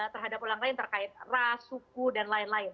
terhadap orang lain terkait ras suku dan lain lain